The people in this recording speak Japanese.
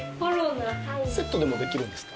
セットでもできるんですか？